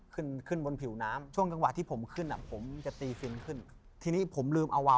คือยังไงเราก็ไม่รอดนะครับ